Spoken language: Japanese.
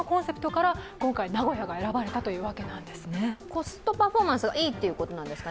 コストパフォーマンスがいいということなんですか？